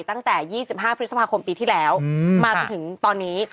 ตั้งแต่๒๕พฤษภาคมปีที่แล้วมาจนถึงตอนนี้